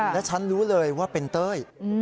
และฉันรู้เลยว่าเป็นเต้ย